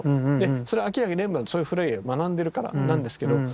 それは明らかにレンブラントそういう古い絵を学んでるからなんですけど。